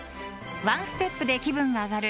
「１ステップで気分があがる